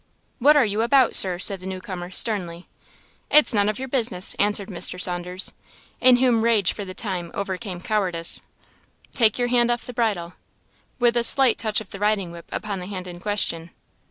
"What are you about, Sir?" said the new comer, sternly. "It's none of your business!" answered Mr. Saunders, in whom rage for the time overcame cowardice. "Take your hand off the bridle!" with a slight touch of the riding whip upon the hand in question.